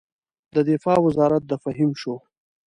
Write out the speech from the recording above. د دفاع وزارت د فهیم شو.